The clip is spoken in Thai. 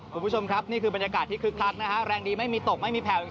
คุณผู้ชมครับนี่คือบรรยากาศที่คึกคักนะฮะแรงดีไม่มีตกไม่มีแผลว